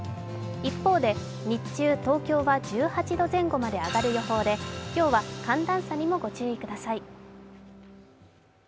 一方で日中、東京は１８度前後まで上がる予想で今日は寒暖差にもご注意ください。